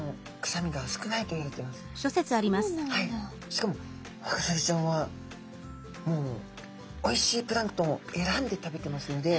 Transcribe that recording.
しかもワカサギちゃんはもうおいしいプランクトンを選んで食べてますので。